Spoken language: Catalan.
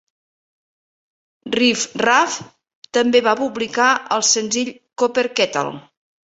Riff Raff també va publicar el senzill "Copper Kettle".